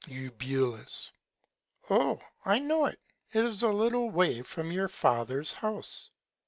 Eu. Oh! I know it, it is a little Way from your Father's House.